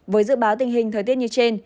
với dự báo tình hình thời tiết như trên